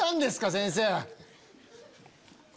先生！